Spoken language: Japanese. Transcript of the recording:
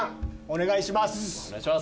お願いします。